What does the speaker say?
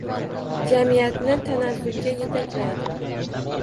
Jamiyatni tanazzulga yetaklaydi!